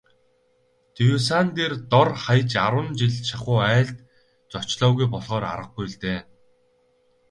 Дюссандер дор хаяж арван жил шахуу айлд зочлоогүй болохоор аргагүй л дээ.